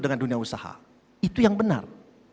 dengan dunia usaha itu yang benar